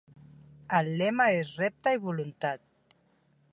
El lema és "Repte i voluntat".